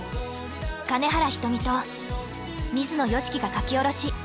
金原ひとみと水野良樹が書き下ろし。